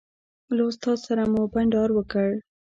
له استاد سره مو بانډار وکړ.